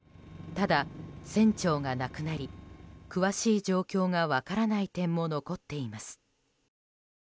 ただ、船長が亡くなり詳しい状況が分からない点も残っています。